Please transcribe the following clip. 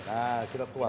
nah kita tuang